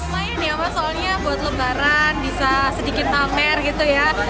lumayan ya mas soalnya buat lebaran bisa sedikit pamer gitu ya